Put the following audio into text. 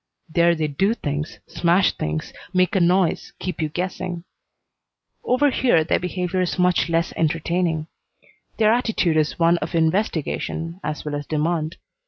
There they do things, smash things, make a noise, keep you guessing. Over here their behavior is much less entertaining. Their attitude is one of investigation as well as demand.